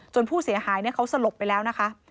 จนผู้เสียหายเนี่ยเขาสลบไปแล้วนะคะ